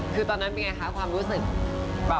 คือตอนนั้นเป็นไงคะความรู้สึก